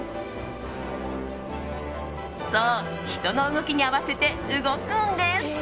そう、人の動きに合わせて動くんです。